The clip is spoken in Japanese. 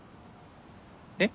えっ？